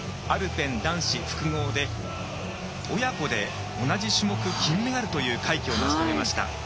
アルペン男子複合で親子で、同じ種目金メダルという快挙を成し遂げました。